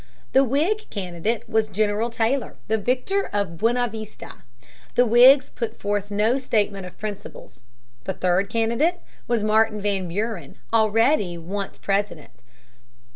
The Whig candidate was General Taylor, the victor of Buena Vista. The Whigs put forth no statement of principles. The third candidate was Martin Van Buren, already once President.